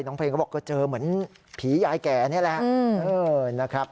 เพลงก็บอกก็เจอเหมือนผียายแก่นี่แหละนะครับ